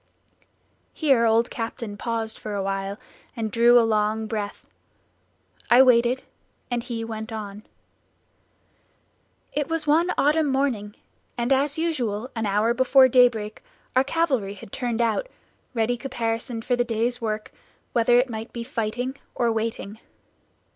Here old Captain paused for awhile and drew a long breath; I waited, and he went on. "It was one autumn morning, and as usual, an hour before daybreak our cavalry had turned out, ready caparisoned for the day's work, whether it might be fighting or waiting.